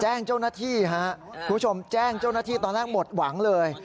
แจ้งเจ้าหน้าที่ครับคุณผู้ชมแจ้งเจ้าหน้าที่ตอนแรกหมดหวังเลย